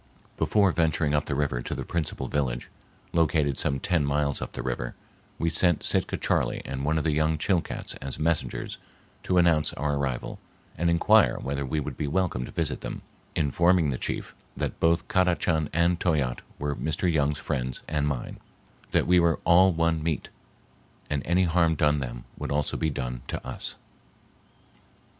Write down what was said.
Before venturing up the river to the principal village, located some ten miles up the river, we sent Sitka Charley and one of the young Chilcats as messengers to announce our arrival and inquire whether we would be welcome to visit them, informing the chief that both Kadachan and Toyatte were Mr. Young's friends and mine, that we were "all one meat" and any harm done them would also be done to us.